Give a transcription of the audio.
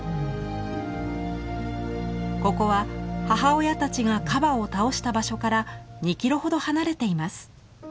ここは母親たちがカバを倒した場所から２キロほど離れています。